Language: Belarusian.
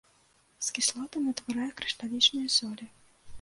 З кіслотамі ўтварае крышталічныя солі.